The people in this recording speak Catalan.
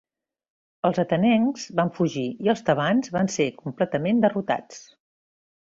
Els atenencs van fugir i els tebans van ser completament derrotats.